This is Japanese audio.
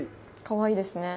かわいいですね。